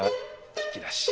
弾き出し。